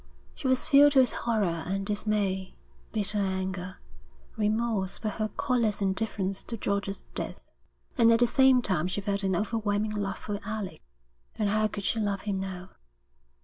She was filled with horror and dismay, bitter anger, remorse for her callous indifference to George's death; and at the same time she felt an overwhelming love for Alec. And how could she love him now?